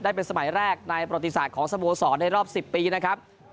ได้เป็นสมัยแรกในประติศาสตร์ของสโมสรในรอบ๑๐ปีนะครับ